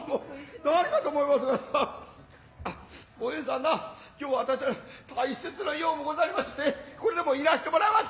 おえんさんな今日私しは大切な用もござりましてこれでもういなしてもらいます。